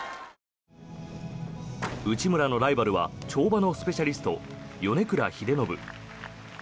内村のライバルは跳馬のスペシャリスト米倉英信。